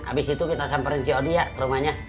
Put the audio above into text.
habis itu kita samperin si odia ke rumahnya